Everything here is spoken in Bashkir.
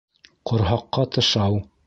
Ҡорһаҡҡа тышау.